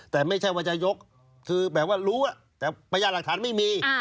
แต่ไม่ใช่ว่าจะยกคือแบบว่ารู้แต่พยานหลักฐานไม่มี